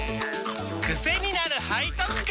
クセになる背徳感！